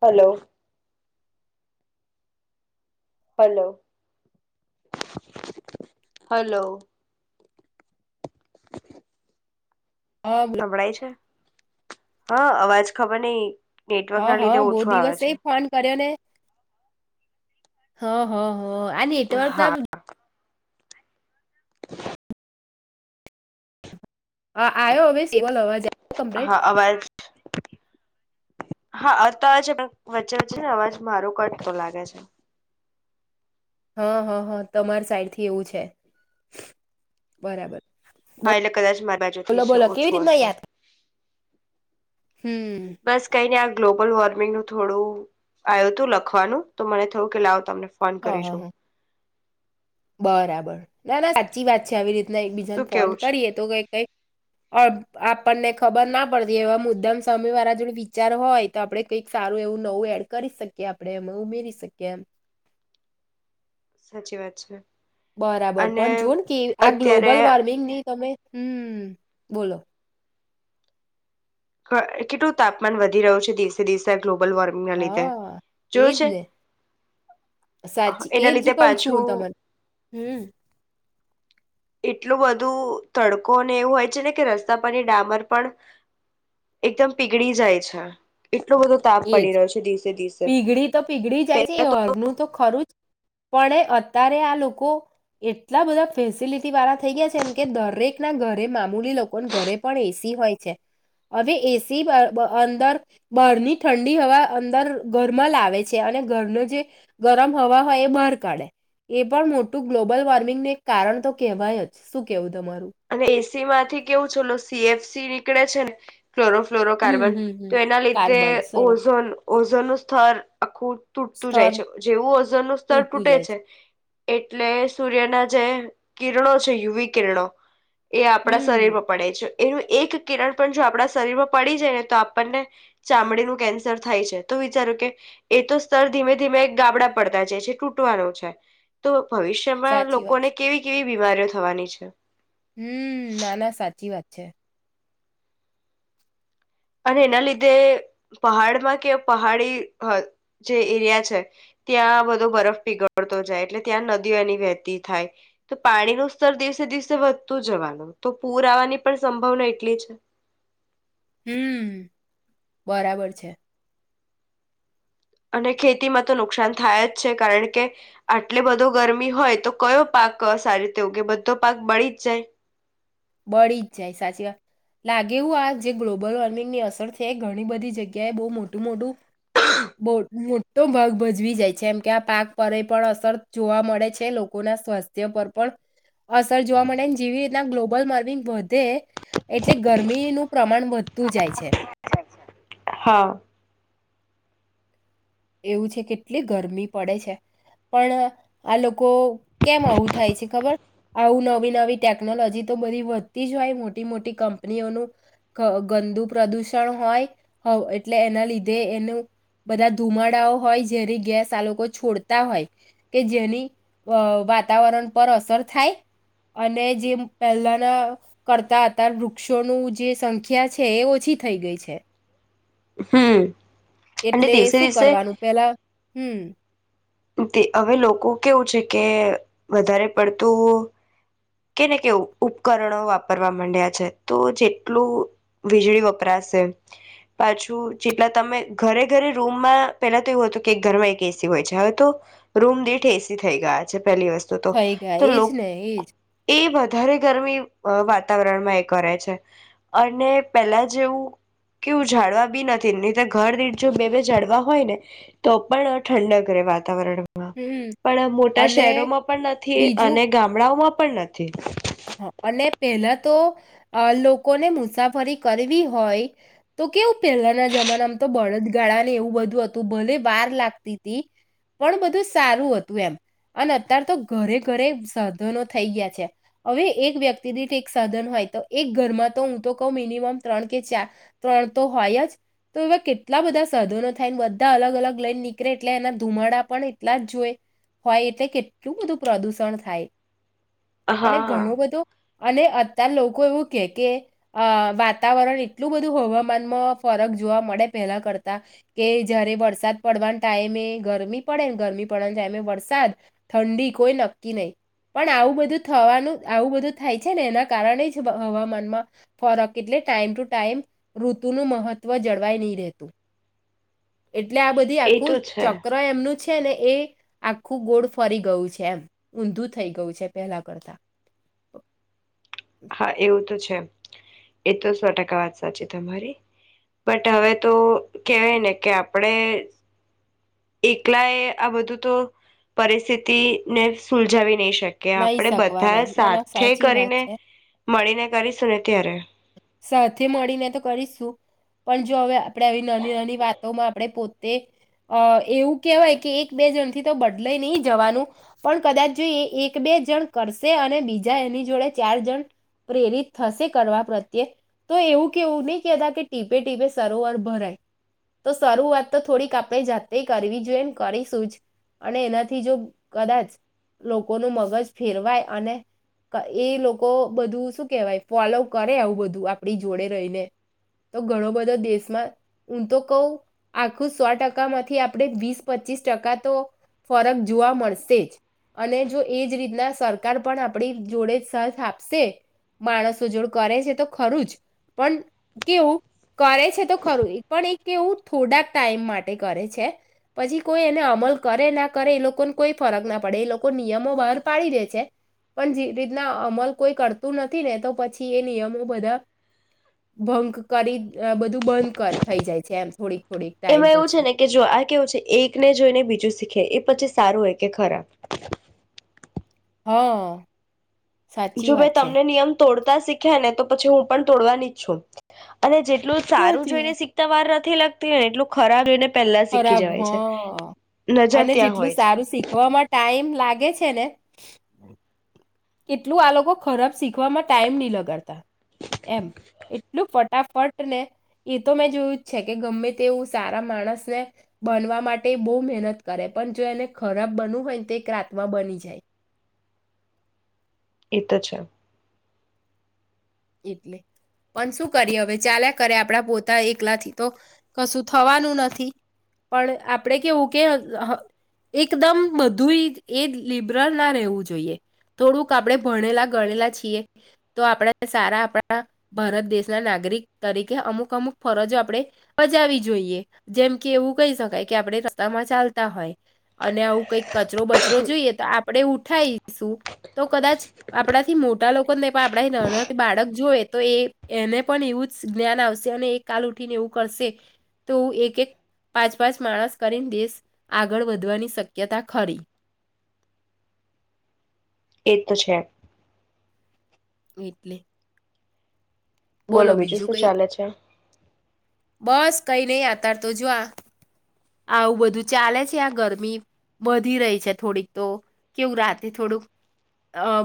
Hello hello hello હા બોલો સંભળાય છે હા અવાજ ખબર નઈ નેટવર્ક હા ના લીધે હા બહુ ઓછો આવે દિવસે છે એ ફોન કર્યો ને હા હ હ અને તો તો હા હ આયો હવે સિવલ આવાજ હા અવાજ હા અતા છે પણ વચ્ચે વચ્ચે ને અવાજ મારો કટ તો લાગે છે હા હા હા તમાર સાઈડ થી એવું છે બરાબર હા એટલે કદાચ મારી બોલો બાજુથી છે બોલો કેવી ઓછું રીતના હશે યાદ હમ બસ કઈ ન આ ગ્લોબલ વોર્મિંગ નું થોડું આવ્યું હતું લખવાનું તો મને થયું કે લાવ તમને ફન હા કરે હા છો. હા બરાબર, ના ના સાચી વાત છે આવી એટલે રીતના શું એકબીજાને ફોન કેવું છે કરીએ તો કઈ કઈ આપણને ખબર ના પડતી એવા મુદ્દમ સમય વાળા જોડે વિચાર હોય તો આપડે કઈક સારું એવું નવું એડ કરી શકીએ આપણે એ ઉમેરી શકીએ એમ. સાચી વાત છે. બરાબર અને પણ જોને કે આ અત્યારે ગ્લોબલ વોર્મિંગની તમે હમ બોલો. કેટલું તાપમાન વધી રહ્યું છે દિવસે દિવસે વોર્મિંગના લીધે હા, જોયું એજ છે ને, સાચી એના એજ લીધે કઉ છું પાછું હું તને હમ. એટલું બધું તડકો અને એવું હોય છે ને કે રસ્તા પરની ડામર પણ, એકદમ પીગળી જાય છે. એટલો બધો તાપ એજ પડી રહ્યો છે દિવસે દિવસે, પીગળી તો પીગળી જાય છે પેલા એ તો હરનું ખરું જ પણ અત્યારે આ લોકો, એટલા બધા ફેસિલિટી વાળા થઈ ગયા છે કે દરેક ના ઘરે મામૂલી લોકોના ઘરે પણ એસી હોય છે, હવે એસી અંદર બારની ઠંડી હવા અંદર ઘરમાં લાવે છે અને ઘરનું જે, ગરમ હવા હોય એ બહાર કાઢે, એ પણ મોટું ગ્લોબલ વોર્મિંગનું એક કારણ તો કેહેવાય જ, શું કેવું? તમારું અને એ સી માંથી કેવું ચોલો સી એફ સીની- નીકળે છે ને ફ્લોરોફ્લોરો હમ કાર્બન, હમ તો હમ એના લીધે કાર્બન સરસ ઓઝોન ઓજ સ્તર આખું તૂટતું જાય સ્તર છે જેવું ઓજન નું સ્તર તૂટતું તૂટે જાય છે, એટલે સૂર્યના જે કિરણો છે યુવી કિરણો. એ આપણા હમ શરીરમાં પડે છે. એનું એક કિરણ પણ જો આપણા શરીરમાં પડી જાય ને તો આપણને, ચામડીનું કેન્સર થાય છે તો વિચારું કે, એ તો સ્તર ધીમે ધીમે ગાબડા પડતા જ છે તૂટવાનું છે, તો ભવિષ્યમાં સાચી વાત લોકોને છે કેવી કેવી બીમારીઓ થવાની છે. હમ ના ના સાચી વાત છે. અને એના લીધે પહાડમાં કે પહાડી જે એરિયા છે, ત્યાં બધો બરફ પીગળતો જાય એટલે ત્યાં નદીઓ એની વહેતી થાય, તો પાણીનું સ્તર દિવસે દિવસે વધતું જવાનું તો પૂર આવવાની પણ સંભાવના એટલી છે. હમ, બરાબર છે. અને ખેતીમાં તો નુકસાન થાય જ છે કારણ કે, આટલી બધો ગરમી હોય તો કયો પાક સારી રીતે ઉગે બધો પાક બળી જ જાય. બળી જ જાય સાચી વાત, લાગે એવું આ જે ગ્લોબલ વોર્મિંગની અસર છે ઘણી બધી જગ્યાએ બહુ મોટું મોટું, બ મોટો ભાગ ભજવી જાય છે એમ કે આ પાક પર એ પણ અસર જોવા મળે છે લોકોના સ્વાસ્થ્ય પર પણ, અસર જોવા મળે જેવી રીતના બલ માર્નિંગ વધે, એટલે ગરમીનું પ્રમાણ વધતું જાય છે. હા. એવું છે કેટલી ગરમી પડે છે, પણ આ લોકો કેમ આવું થાય છે ખબર, આવું નવી નવી ટેકનોલોજી તો બધી વધતી જ હોય મોટી મોટી કંપનીઓનું, ગંદુ પ્રદૂષણ હોય, એટલે એના લીધે એનું બધા ધુમાડાઓ હોય જેની ગેસ આાલકો છોડતા હોય, કે જેની વાતાવરણ પર અસર થાય, અને જે પહેલાના કરતા અત વૃક્ષોનું જે સંખ્યા છે એ ઓછી થઈ ગઈ છે. હમ. અને એટલે દિવસે શું દિવસે કરવાનું પેલા હમ તે હવે લોકો કેવું છે કે વધારે પડતું કે ને કેવું ઉપકરણો વાપરવા માંડ્યા છે, તો જેટલું વીજળી વપરાશે, પાછું જેટલા તમે ઘરે ઘરે રૂમમાં પેલા તો એવું હતું કે એક ઘરમાં એક એસી હોય છે હવે તો, રૂમ દીઠ એસી થઈ ગયા છે. પેલી વસ્તુ તો, થઈ ગયા તો એજ લોકો ને એજ એ વધારે ગરમી વાતાવરણમાં એ કરે છે અને પેલા જેવું કેવું જાડવા બી નથી તો ઘર દી જો બે બે જાડવા હોય ને તો પણ ઠંડક રહેવા વાતાવરણમાં હમ પણ મોટા અને શહેરોમાં પણ નથી બીજું અને ગામડાઓમાં. પણ નથી. [inaudible] અને પેલા તો લોકોને મુસાફરી કરવી હોય તો કેવું પહેલાના જમાનામાં તો બળદગાળા ને એવું બધું હતું ભલે વાર લાગતી હતી પણ બધું સારું હતું એમ અને અત્યાર તો ઘરે ઘરે સાધનો થઈ ગયા છે. હવે એક વ્યક્તિ દીઠ એક સાધન હોય તો એક ઘરમાં તો હું તો કહુ મિનિમમ ત્રણ કે ચાર ત્રણ તો હોય જ તો એવા કેટલા બધા સાધનો થાય બધા અલગ અલગ લઈને નીકળે એટલે એના ધુમાડા પણ એટલા જ જોય હોય એટલે કેટલું બધું પ્રદૂષણ થાય. અને હા ઘણો બધો. અને અત્યાર લોકો એવું કે કે અ વાતાવરણ એટલું બધું હવામાનમાં ફરક જોવા મળે પહેલા કરતા કે જયારે વરસાદ પડવાના ટાઈમે ગરમી પડે ગરમી પડવાના ટાઈમે વરસાદ ઠંડી કોઈ નક્કી નહી પણ આવું બધું. થવાનું આવું બધું થાય છે ને એના કારણે જ હવામાનમાં ફરક એટલે ટાઈમ ટુ ટાઈમ ઋતુનું મહત્વ જળવાય નહી રહેતું. એટલે આ બધી એ તો આખું છે ચક્ર એમનું. છે ને એ આખું ગોળ ફરી ગયું છે એમ ઊંધું થઈ ગયું છે પેલા. કરતા. હા એવું તો છે. એ તો સો ટકા વાત સાચી તમારી બટ હવે તો કેવાય ને કે આપણે. એકલા એ આ બધું તો પરિસ્થિતિને સુલજાવી નહી શ. શ નહી આપડે બધા શકવાના ના ના સાથે સાચી વાત કરીને. છે મળી ને કરીશું ને ત્યારે. સાથે મળીને તો કરીશશું પણ જો હવે આપણે આવી નાની નાની વાતોમાં આપણે પોતે અ એવું કહેવાય કે એક બે જણથી તો બદલા નહી જવાનું પણ કદાચ જો એ એક બે જણ કરશે અને બીજા એની જોડે ચાર જણ પ્રેરિત થશે કરવા પ્રત્યે. તો એવું કેવું નહી કતા કે ટીપે ટીપે સરોવર ભરાય તો શરૂઆત તો થોડીક આપણે જાતે કરવી જોઈએ કરીશું જ અને એનાથી જો કદાચ લોકોનું મગજ ફેરવાય અને એ લોકો બધું શું કેહેવાય ફોલો કરે આવું. આપ જોડે રહીને તો ઘણો બધો દેશમાં હું તો કઉ આખું સો ટકા માંથી આપણે વીસ પચીસ ટકા તો ફરક જોવા મળશે જ અને જો એજ રીતના સરકાર પણ આપડી જોડે આપશે માણસો જોડ કરે છે તો. ખરું જ પણ કેવું કરે છે તો ખરું પણ એ કેવું થોડાક ટાઈમ માટે કરે છે પછી કોઈ એને અમલ કરે ના કરે એ લોકોને કોઈ ફરક ના પડે એ લોકો નિયમો બહાર પાડી દે છે પણ જે રીતના અમલ કોઈ કરતું નથી ને તો પછી એ નિયમો. બધા ભંગ કરી બધું બંધ કર થઈ જાય છે એમ થોડી. એમાં એવું છે ને કે જો આ કેવું છે એકને જોઈને બીજું. શીખે એ પછી સારું હોય કે ખરાબ. હા. સાચી જો મેં વાત છે. તમને નિયમ તોડતા શીખ્યા ને તો પછી હું. પણ તોડવાની જ છું અને. એટલું સારું સાચી જોઈ ને વાત. શીખતા વાર. નથી લગતી એટલું ખરાબ એને. ખરાબ હ નજર અને ત્યાં જેટલું હોય છે સારું શીખવામાં ટાઈમ લાગે. લગે છે કેટલું આ લોકો ખરાબ શીખવામાં ટાઈમ નહી લગાડતા. એમ એટલું. આ ફટને એ તો મેં જોયું જ છે કે ગમે તેવું સારા માણસને બનવા માટે બહુ મહેનત કરે પણ જો એને ખરાબ બનવું હોય ને તો એક રાતમાં બની જાય. એ તો છે. એટલે પણ શું કરીએ હવે ચાલ્યા કરે આપણા પોતા એકલાથી તો કશું થવાનું નથી પણ આપણે કેવું કે એકદમ બધું એ લિબરલ ના રહેવું જોઈએ થોડુંક આપણે ભણેલા ગણેલા છીએ તો આપણે. સારા આપણા ભારત દેશ ના નાગરિક તરીકે અમુક અમુક ફરજો આપડણે બજાવી જોઈએ જેમ કે એવું કહી શકાય કે આપણે રસ્તામાં ચાલતા હોય. અને આવું કઈક કચરો બચરો જોઈએ તો. આપણેે ઉઠાવીશું તો કદાચ આપણા થી મોટા લોકોને પણ આપણા નાના બાળક જોવે તો એ એને પણ એવું જ જ્ઞાન આવશે અને એ કાલ ઉઠીને એવું કરશે તો એક એક પાંચ પાંચ માણસ કરીને દેશ આગળ વધવાની શક્યતા ખરી. એ તો છે. વીટલે બોલો બીજું શું ચાલે છે? બસ કંઈને યાતાર તો જોવા આવું બધું ચાલે છે. આ ગરમી વધી રહી છે. થોડીક તો, કેવું રાતે થોડુંક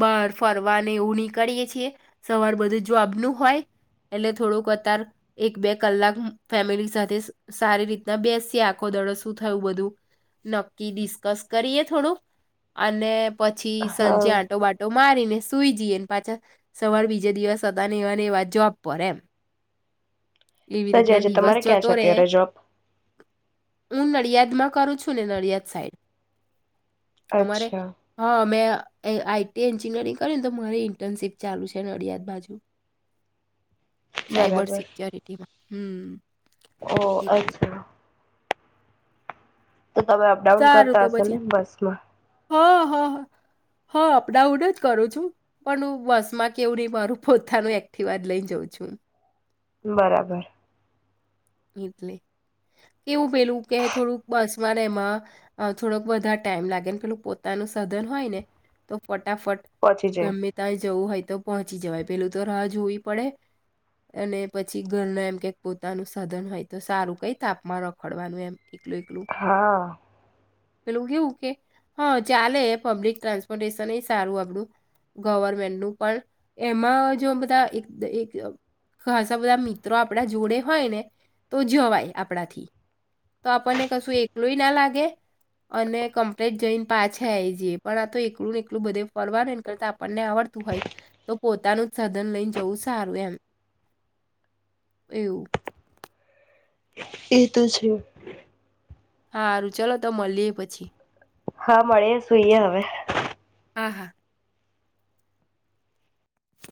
બાર ફરવાને એવું નીકળીય છીએ, સવાર બધું જોબનું હોય, એટલે થોડુંક અતાર એક બે કલાક ફેમિલી સાથે સારી રીતના બેસિયા આખો દડો શું થયું બધું, નક્કી ડિસ્કસ કરીએ થોડુંક, અને પછી સંંજે હા આંટો બાટો મારીને સુઈ જઈને પાછા, સવાર બીજે દિવસ હતાને એવા એવા જોબ પર એમ. એવી રીતના સજાય છે દિવસ તમારે ક્યાં છે જતો રે અત્યારે જોબ? હું નડિયાદ માં કરું છું ને નડિયાદ સાઈડ. અમારે અચ્છા હા મેં આઈ ટી એન્જિનિયરિંગ કરે ને તો મારી ઇન્ટર્નશીપ ચાલુ છે નડિયાદ બાજુ. સાયબર બરાબર સિક્યોરિટીમાં. હમ્મ. ઓ અચ્છા. તો તમે અપડાઉન કરતા હશો ને બસમાં. હ હ હ અપડાઉન જ કરું છું, પણ હું બસમાં કેવું નહીં મારું પોતાનું એક્ટિવાદ લઈ જાઉં છું. બરાબર. એટલે, કેવું પેલું કે થોડુંક બસમાં ને હેેમાં, થોડોક બધા ટાઈમ લાગેને પેલું પોતાનું સધન હોય ને, તો ફટાફટ પહોંચી જાય ગમે ત જવું હોય તો પહોંચી જવાય પેલું તો રાહ જોવી પડે, અને પછી ઘરના એમ કે પોતાનું સધન હોય તો સારું કઈ તાપમાન રખડવાનું એમ. એકલું એકલું. હા પેલું કેવું કે, હા ચાલે પબ્લિક ટ્રાન્સપોર્ટેશન એ સારું આપણું, ગવર્મેન્ટનું પણ એમાં જો બધા એક દ ખાસ બધા મિત્રો આપણા જોડે હોય ને તો જવાય આપણાથી, તો આપણને કશું એકલુંય ના લાગે, અને કમ્પ્લીટ જઈને પાછા એ જે પણ આ તો એકલું ને એકલું બધે ફરવાનું એ કરતા આપણને આવડતું હોય, તો પોતાનું જ સધન લઈને જવું સારું એમ એવું. એ તો છે. હારું ચલો તો મળ લએ પછી. હા મળી સુઈએ હવે. હા હા.